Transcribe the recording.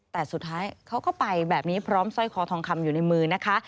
แต่สุดท้ายเขาก็ไปแบบนี้พร้อมสร้อยคอทองคำอยู่ในมือนะคะ